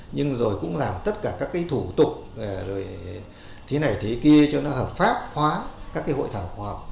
nhưng rồi cũng làm tất cả các thủ tục thế này thế kia cho nó hợp pháp khóa các hội thảo khoa học